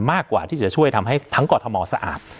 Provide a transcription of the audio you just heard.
มากกว่าที่จะช่วยทำให้ทั้งก่อธรรมศาสตร์สะอาบ